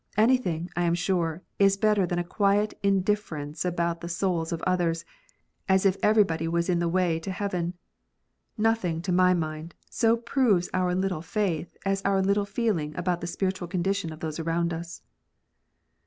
Anything, I am sure, is better than a quiet indifference about the souls of others, as if everybody was in the way to heaven. Nothing, to my mind, so proves our little faith, as our little feeling about the spiritual condition of those around us.